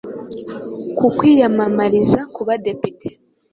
ku kwiyamamariza kuba depite